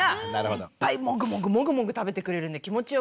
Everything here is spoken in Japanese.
いっぱいもぐもぐもぐもぐ食べてくれるんで気持ちよくて。